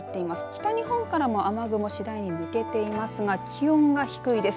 北日本からも雨雲次第に抜けていますが気温が低いです。